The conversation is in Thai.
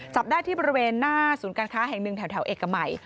จับได้ที่บริเวณหน้าศูนย์การค้าแห่งหนึ่งแถวเอกมัย